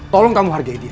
tolong kamu hargai dia